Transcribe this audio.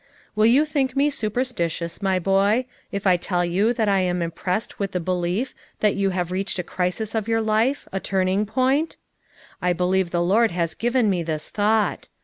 "Will you think me superstitious, my boy, 34G FOUR MOTHERS AT CHAUTAUQUA if I toll you that I am impressed with the be lief that you have reached a crisis in your life; a turning point? I believe the Lord has given me this thought.